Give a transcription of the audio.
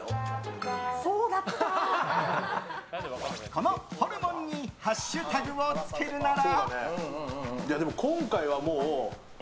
このホルモンにハッシュタグをつけるなら。